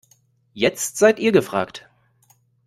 Jetzt seid ihr gefragt.